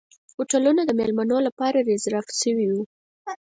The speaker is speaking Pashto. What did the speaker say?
هوټلونه د میلمنو لپاره ریزرف شوي وو.